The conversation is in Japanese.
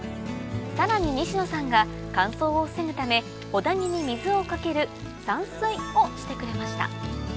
さらに西野さんが乾燥を防ぐため榾木に水をかける散水をしてくれました